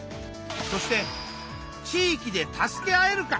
そして「地域で助け合えるか？」